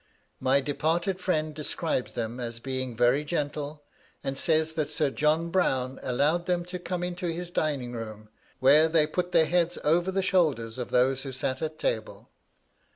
My departed friend described them as being very gentle, and says that Sir John Browne allowed them to come into his dining room, where they put their heads over the shoulders of those who sat at table.